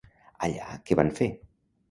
Allà què van fer?